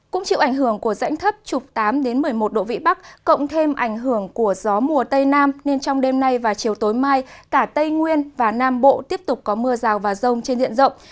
cũng chịu ảnh hưởng của rãnh thấp trục tám một mươi một độ vị bắc cộng thêm ảnh hưởng của gió mùa tây nam nên trong đêm nay và chiều tối mai cả tây nguyên và nam bộ tiếp tục có mưa rào và rông trên diện rộng